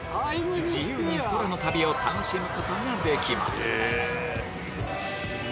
自由に空の旅を楽しむことができます